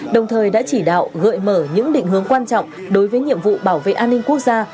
đồng thời đã chỉ đạo gợi mở những định hướng quan trọng đối với nhiệm vụ bảo vệ an ninh quốc gia